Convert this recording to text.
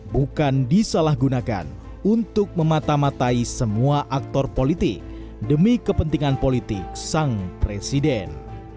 bukan disalahgunakan untuk memata matai semua aktor politik demi kepentingan politik sang presiden